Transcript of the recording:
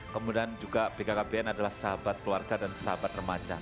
kemudian juga bkkbn adalah sahabat keluarga dan sahabat remaja